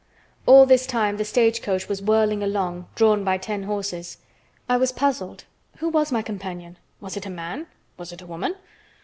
All this time the stagecoach was whirling along, drawn by ten horses. I was puzzled. Who was my companion? Was it a man? Was it a woman?